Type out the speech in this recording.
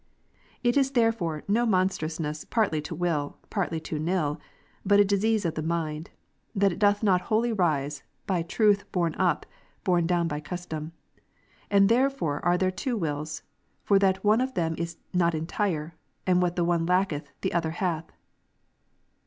It is there fore no monstrousness partly to will, partly to nill, but a disease of the mind, that it doth not wholly rise, by truth up borne, borne down by custom. And therefore are there two wills, for that one of them is not entire : and what the one lacketh, the other hath.